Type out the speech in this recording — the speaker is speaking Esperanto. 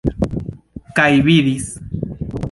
Kaj vidis.